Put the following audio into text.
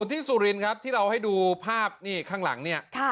ส่วนพี่สุเรียนที่เราให้ดูภาพข้างหลังเนี่ย